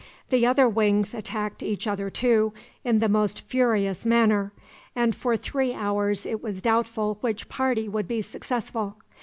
The other wings attacked each other, too, in the most furious manner, and for three hours it was doubtful which party would be successful.